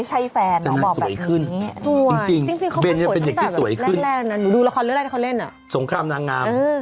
ฉันหลังสวยขึ้นเบนเป็นสวยขึ้นส่งข้ามนางงาม